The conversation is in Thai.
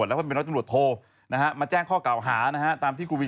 ยังทำไม